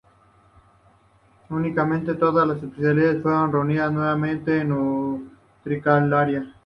Últimamente todas las especies fueron reunidas nuevamente en "Utricularia".